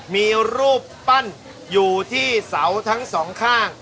มีรูปปั้นอยู่ที่เสาทั้งสองข้าง